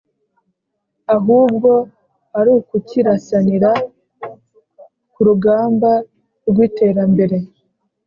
ahubwo ari ukukirasanira ku rugamba rw’iterambere